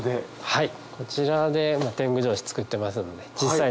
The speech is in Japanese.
はい。